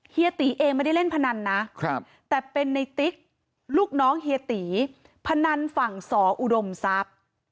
เฮีเองไม่ได้เล่นพนันนะแต่เป็นในติ๊กลูกน้องเฮียตีพนันฝั่งสออุดมทรัพย์